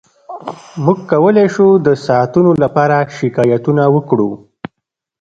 موږ کولی شو د ساعتونو لپاره شکایتونه وکړو